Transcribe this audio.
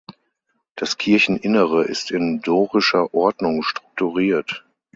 Das Kircheninnere ist in Dorischer Ordnung strukturiert.